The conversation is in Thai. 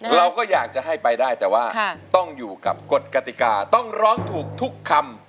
เราก็อยากจะให้ไปได้แต่ว่าต้องอยู่กับกฎกติกาต้องร้องถูกทุกคำ